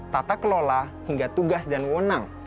tata kelola hingga tugas dan wonang